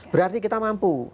berarti kita mampu